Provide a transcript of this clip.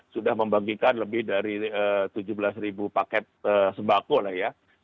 sudah membagikan lebih dari tujuh belas ribu paket sembako lah ya